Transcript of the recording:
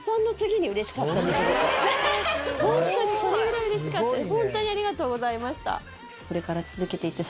ホントにそれぐらい嬉しかったです。